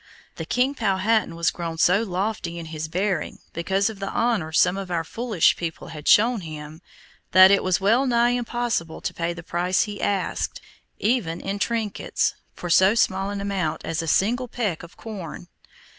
The king Powhatan was grown so lofty in his bearing, because of the honor some of our foolish people had shown him, that it was well nigh impossible to pay the price he asked, even in trinkets, for so small an amount as a single peck of corn.